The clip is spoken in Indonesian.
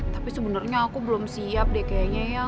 tapi sebenarnya aku belum siap deh kayaknya ya